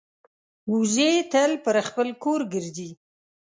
وزې تل پر خپل کور ګرځي